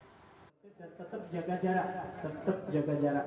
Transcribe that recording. tetap jaga jarak tetap jaga jarak